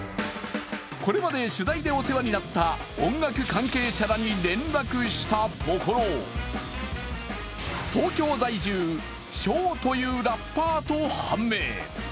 これまで取材でお世話になった音楽関係者らに連絡したところ東京在住、ＳＨＯというラッパーと判明。